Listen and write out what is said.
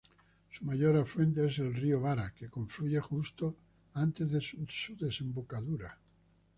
Su mayor afluente es el río Vara que confluye justo antes de su desembocadura.